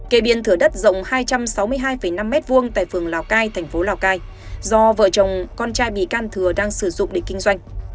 cây biên thửa đất rộng hai trăm sáu mươi hai năm m hai tại phường lào cai thành phố lào cai do vợ chồng con trai bị can thừa đang sử dụng để kinh doanh